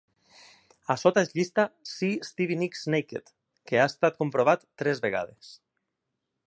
A sota es llista "See Stevie Nicks Naked", que ha estat comprovat tres vegades.